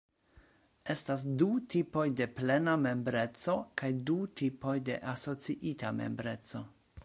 Estas du tipoj de plena membreco kaj du tipoj de asociita membreco.